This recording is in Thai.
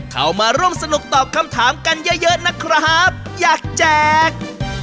เข้ามาร่วมสนุกตอบคำถามกันเยอะเยอะนะครับอยากแจก